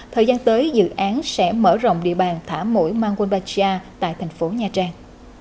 thời gian tới dự án sẽ mở rộng địa bàn thả mũi mangonpachia tại thành phố nha trang